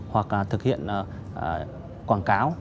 hoặc là thực hiện quảng cáo